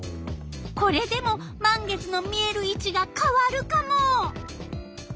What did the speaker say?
これでも満月の見える位置がかわるカモ。